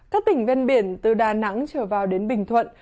các tỉnh ven biển từ đà nẵng trở vào đến bình thuận